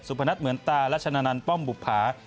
สุพรณัฐเหมือนตาและชะนานันป้อมบุภา